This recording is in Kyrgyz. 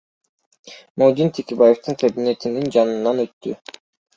Модин Текебаевдин кабинетинин жанынан өттү.